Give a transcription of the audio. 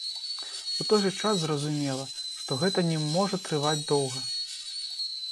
У той жа час зразумела, што гэта не можа трываць доўга.